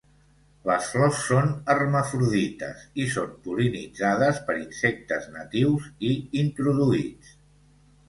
Les flors són hermafrodites i són pol·linitzades per insectes natius i introduïts.